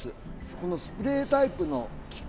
このスプレータイプの菊。